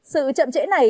sự chậm chẽ này